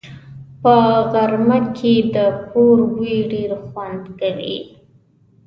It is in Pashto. په غرمه کې د کور بوی ډېر خوند کوي